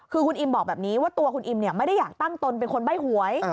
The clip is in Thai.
คือคุณอิมบอกแบบนี้ว่าตัวคุณอิมไม่ได้อยากตั้งตนเป็นคนใบ้หวย